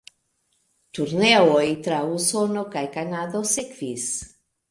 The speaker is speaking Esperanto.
Turneoj tra Usono kaj Kanado sekvis.